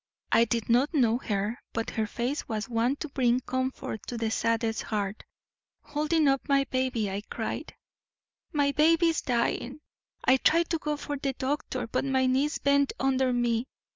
I did not know her, but her face was one to bring comfort to the saddest heart. Holding up my baby, I cried: "'My baby is dying; I tried to go for the doctor, but my knees bent under me.